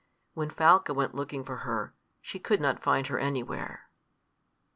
When Falca went looking for her, she could not find her anywhere.